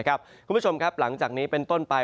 คุณผู้ชมครับหลังจากนี้เป็นต้นไป